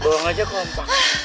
bawang aja kompak